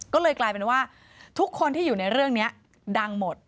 ก็เลยกลายเป็นว่าทุกคนที่อยู่ในเรื่องนี้ดังหมด